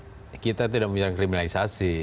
jadi kita tidak menyerang criminalisasi